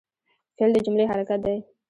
فعل د جملې حرکت دئ.